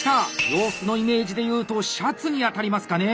洋服のイメージでいうとシャツにあたりますかね。